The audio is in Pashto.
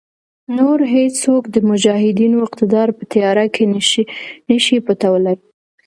نور هېڅوک د مجاهدینو اقتدار په تیاره کې نشي پټولای.